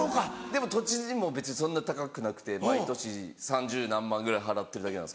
でも土地も別にそんな高くなくて毎年３０何万ぐらい払ってるだけなんですけど。